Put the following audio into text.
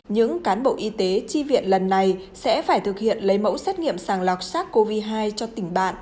những cán bộ y tế chi viện lần này sẽ phải thực hiện lấy mẫu xét nghiệm sàng lọc sars cov hai cho tỉnh bạn